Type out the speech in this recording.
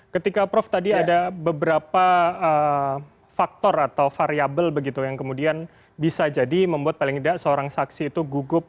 ketika prof tadi ada beberapa faktor atau variable begitu yang kemudian bisa jadi membuat paling tidak seorang saksi itu gugup